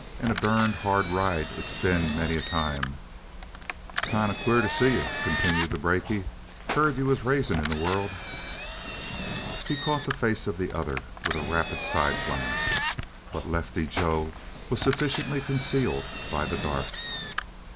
"And a durned hard ride it's been many a time." "Kind of queer to see you," continued the brakie. "Heard you was rising in the world." He caught the face of the other with a rapid side glance, but Lefty Joe was sufficiently concealed by the dark.